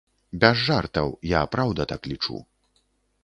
Без жартаў, я праўда так лічу.